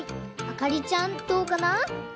あかりちゃんどうかな？